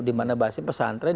dimana bahasa pesantren